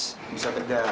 ibu senyum banget